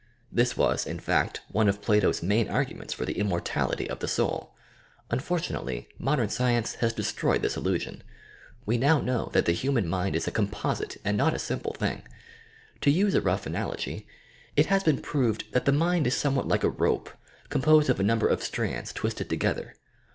This was, in fact, one of Plato's main arguments for the Immortality of the Soul. Unfortunately modern science has destroyed this illusion. We now know that the human mind is a com posite and not a simple thing. To use a rough analogy, it has been proved that the mind is somewhat like a rope, composed of a number of strands, twisted together.